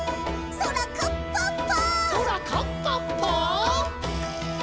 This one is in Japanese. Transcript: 「そらカッパッパ」「」